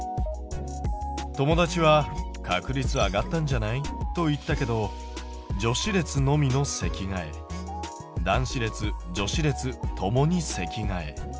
友達は「確率上がったんじゃない？」と言ったけど女子列のみの席替え男子列・女子列共に席替え。